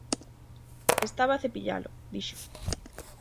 -Estaba a cepillalo -dixo.